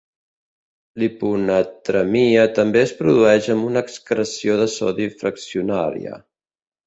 L'hiponatremia també es produeix amb una excreció de sodi fraccionaria.